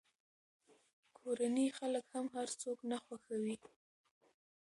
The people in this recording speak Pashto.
کورني خلک هم هر څوک نه خوښوي.